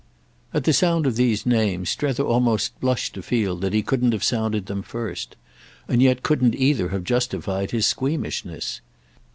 At the sound of these names Strether almost blushed to feel that he couldn't have sounded them first—and yet couldn't either have justified his squeamishness.